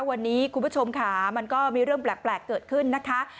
วันนี้คุณผู้ชมค่ะมันก็มีเรื่องแปลกเกิดขึ้นนะคะ